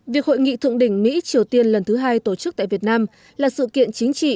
việc hội nghị thượng đỉnh mỹ triều tiên lần thứ hai tổ chức tại việt nam là sự kiện chính trị